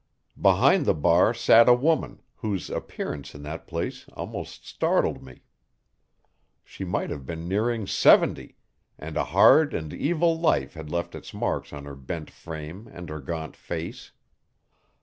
Behind the bar sat a woman whose appearance in that place almost startled me. She might have been nearing seventy, and a hard and evil life had left its marks on her bent frame and her gaunt face.